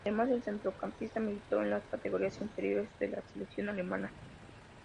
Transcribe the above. Además el centrocampista militó en las categorías inferiores de la selección alemana.